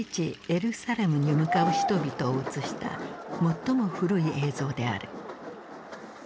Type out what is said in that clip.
エルサレムに向かう人々を写した最も古い映像である。